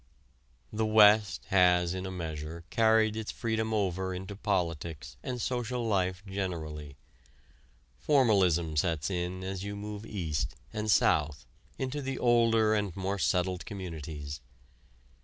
The West has in a measure carried its freedom over into politics and social life generally. Formalism sets in as you move east and south into the older and more settled communities.